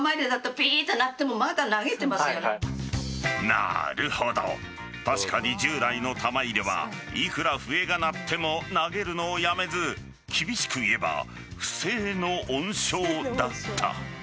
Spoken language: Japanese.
なるほど確かに従来の玉入れはいくら笛が鳴っても投げるのをやめず厳しく言えば不正の温床だった。